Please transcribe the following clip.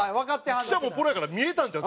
記者もプロやから見えたんちゃう？